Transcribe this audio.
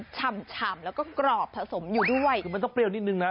ฉ่ำแล้วก็กรอบผสมอยู่ด้วยคือมันต้องเปรี้ยวนิดนึงนะ